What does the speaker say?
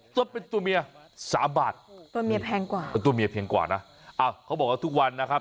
ก็เป็นตัวเมีย๓บาทตัวเมียแพงกว่านะอ้าวเขาบอกว่าทุกวันนะครับ